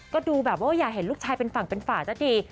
ก็ดูแบบว่าอย่าเห็นลูกชายเป็นฝั่งเป็นฝ่าซะดี